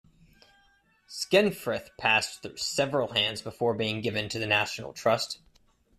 Skenfrith passed through several hands before being given to the National Trust.